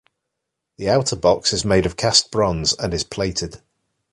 The outer box is made of cast bronze and is plated.